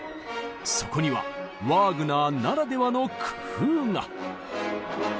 そこにはワーグナーならではの工夫が。